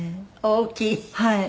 大きい。